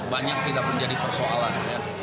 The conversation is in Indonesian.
banyak tidak menjadi persoalan